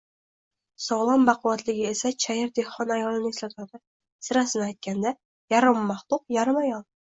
Sog`lom-baquvvatligi esa chayir dehqon ayolini eslatadi, sirasini aytganda, yarimmahluq-yarimayol